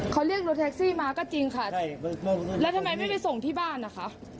เขาเรียกรถแท็กซี่มาก็จริงค่ะแล้วทำไมไม่ไปส่งที่บ้านนะคะ